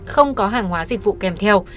không có hàng hóa dịch vụ kèm theo